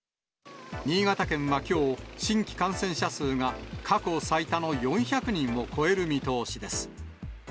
新潟県はきょう、新規感染者数が過去最多の４００人を超える見通しです。